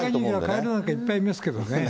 カエルなんかいっぱい見れるんですけどね。